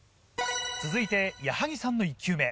続いて矢作さんの１球目。